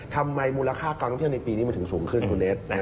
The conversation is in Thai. มูลค่าการท่องเที่ยวในปีนี้มันถึงสูงขึ้นคุณเนส